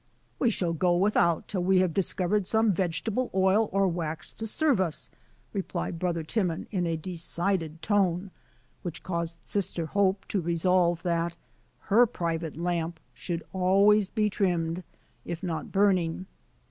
"We shall go without till we have discovered some vegetable oil or wax to serve us," replied Brother Timon, in a decided tone, which caused Sister Hope to resolve that her private lamp should be always trimmed, if not burning.